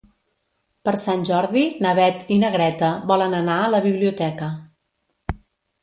Per Sant Jordi na Beth i na Greta volen anar a la biblioteca.